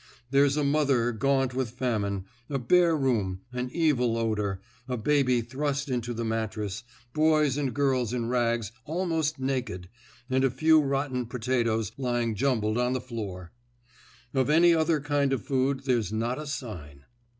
There's a mother gaunt with famine, a bare room, an evil odour, a baby thrust into the mattress, boys and girls in rags, almost naked, and a few rotten potatoes lying jumbled on the floor. Of any other kind of food there's not a sign.